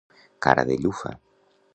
Cara de llufa.